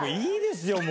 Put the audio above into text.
いいですよ